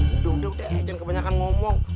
udah udah udah agen kebanyakan ngomong